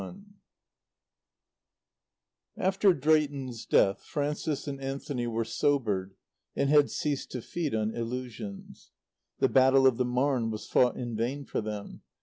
XXI After Drayton's death Frances and Anthony were sobered and had ceased to feed on illusions. The Battle of the Marne was fought in vain for them.